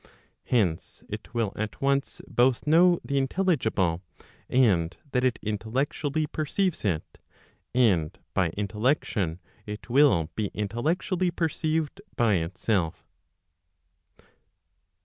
Hence, it will at once both know the intelligible, and that it intellectually perceives it, and by. intel¬ lection it will be intellectually perceived by itself.